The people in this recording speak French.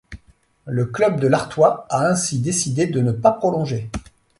Le club de l'Artois a ainsi décidé de ne pas prolonger.